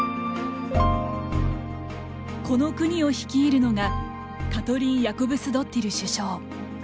この国を率いるのがカトリン・ヤコブスドッティル首相。